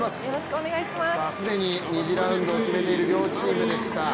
既に２次ラウンドを決めている両チームでした。